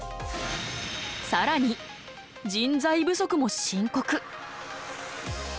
さらに人材不足も深刻。